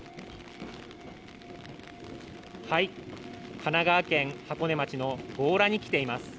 神奈川県箱根町の強羅に来ています。